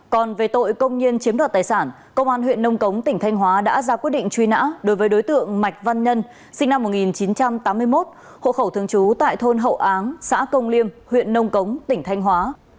còn về tội công nhiên chiếm đoạt tài sản công an huyện nông cống tỉnh thanh hóa đã ra quyết định truy nã đối với đối tượng mạch văn nhân sinh năm một nghìn chín trăm tám mươi một hộ khẩu thường trú tại thôn hậu áng xã công liêm huyện nông cống tỉnh thanh hóa